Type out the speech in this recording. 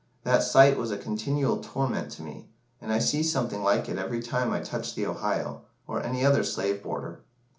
That sight was a continual torment to me, and I see something like it every time I touch the Ohio, or any other slave border.